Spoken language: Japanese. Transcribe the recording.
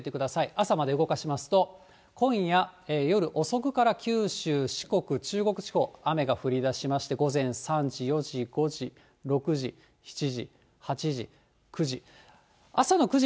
朝まで動かしますと、こんやよるおそくから九州、四国、中国地方、雨が降りだしまして、午前３時、４時、５時、６時、７時、８時、９時。